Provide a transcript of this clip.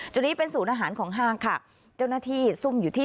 จุดนี้เป็นศูนย์อาหารของห้างค่ะเจ้าหน้าที่ซุ่มอยู่ที่